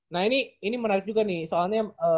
nah ini menarik juga nih soalnya